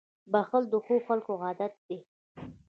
• بښل د ښو خلکو عادت دی.